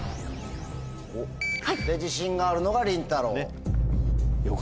で自信があるのがりんたろう。